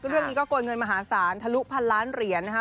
เรื่องนี้ก็โกยเงินมหาศาลทะลุพันล้านเหรียญนะคะ